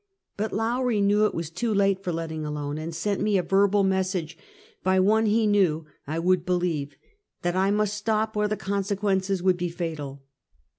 But Lowrie knew it was too late for letting alone, and sent me a verbal message, by one he knew I would believe, that I must stop or the consequences would be fatal.